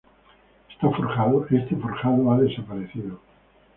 Este forjado ha desaparecido.